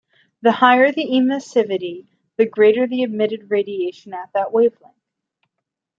The higher the emissivity, the greater the emitted radiation at that wavelength.